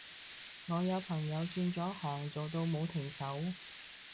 我有朋友轉咗行做到冇停手